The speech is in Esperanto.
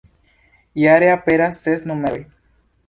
Jare aperas ses numeroj.